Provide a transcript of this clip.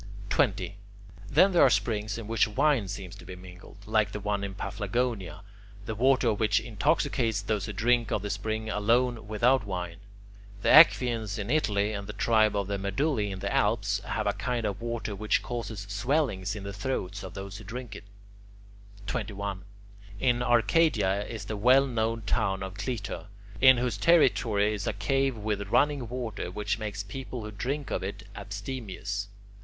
20. Then there are springs in which wine seems to be mingled, like the one in Paphlagonia, the water of which intoxicates those who drink of the spring alone without wine. The Aequians in Italy and the tribe of the Medulli in the Alps have a kind of water which causes swellings in the throats of those who drink it. 21. In Arcadia is the well known town of Clitor, in whose territory is a cave with running water which makes people who drink of it abstemious.